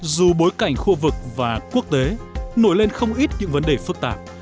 dù bối cảnh khu vực và quốc tế nổi lên không ít những vấn đề phức tạp